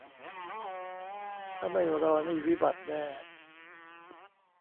ถ้าไม่รอนี่วิบัติแน่